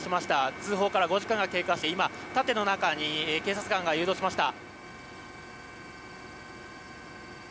通報から５時間が経過して盾の中に警察官が誘導しました。